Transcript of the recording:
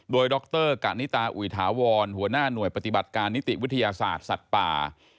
โดยดรกะนิตาอุยถาวรหัวหน้าหน่วยปฏิบัติการนิติวิทยาศาสตร์สัตว์ป่า